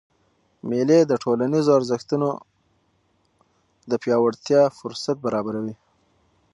مېلې د ټولنیزو ارزښتونو د پیاوړتیا فُرصت برابروي.